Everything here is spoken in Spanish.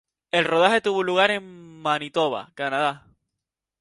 El rodaje tuvo lugar en Manitoba, Canadá.